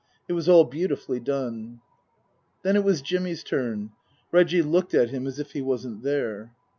It was all beautifully done. Then it was Jimmy's turn. Reggie looked at him as if he wasn't there.